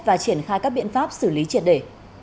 và triển khai các biện pháp xử lý triệt để